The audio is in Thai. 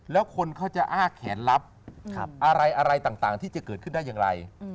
แล้วคนเขาจะอ้าแขนลับอะไรต่างที่จะเกิดขึ้นได้อย่างไร